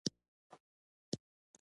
بیا نور برق